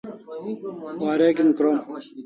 Wareg'in krom